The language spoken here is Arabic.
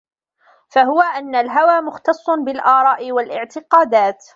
فَهُوَ أَنَّ الْهَوَى مُخْتَصٌّ بِالْآرَاءِ وَالِاعْتِقَادَاتِ